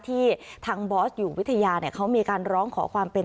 ที่ทางบอสอยู่วิทยาเนี่ยเขามีการร้องขอความเป็น